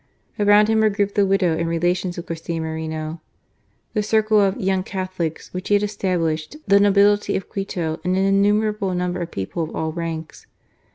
Around him were grouped the widow and relations of Garcia Moreno, the circle of "young Catholics," which he had established, the nobility of Quito, and an innumerable number of people of all ranks.